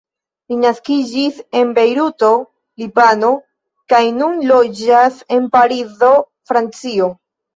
Li naskiĝis en Bejruto, Libano, kaj nun loĝas en Parizo, Francio.